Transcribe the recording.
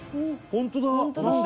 本当だ！